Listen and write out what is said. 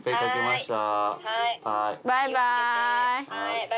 バイバイ。